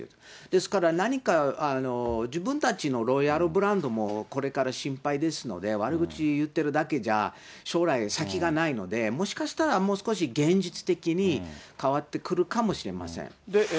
ですから、何か自分たちのロイヤルブランドも、これから心配ですので、悪口言ってるだけじゃ、将来、先がないので、もしかしたら、もう少し現実的に変わってくるかもしれません。